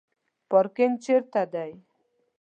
پارکینګ چیرته دی؟